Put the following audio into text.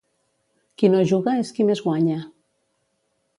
Qui no juga és qui més guanya.